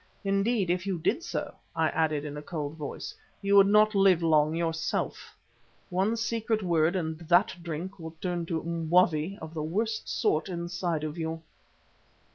Indeed, if you did so," I added in a cold voice, "you would not live long yourself. One secret word and that drink will turn to mwavi of the worst sort inside of you."